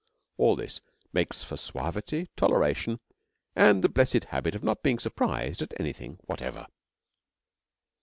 All this makes for suavity, toleration, and the blessed habit of not being surprised at anything whatever.